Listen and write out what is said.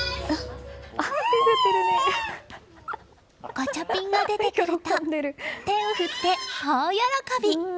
ガチャピンが出てくると手を振って、大喜び！